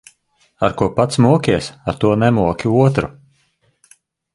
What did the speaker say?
Ar ko pats mokies, ar to nemoki otru.